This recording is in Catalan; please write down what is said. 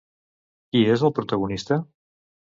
Qui és el protagonista?